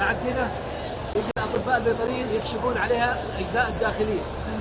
kehadiran kita berbatin terimu shukun alihah izahat jahili